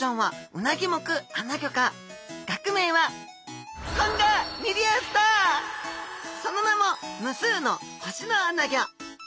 学名はその名も無数の星のアナゴ。